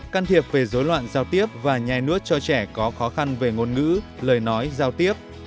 can thiệp về dối loạn giao tiếp và nhai nuốt cho trẻ có khó khăn về ngôn ngữ lời nói giao tiếp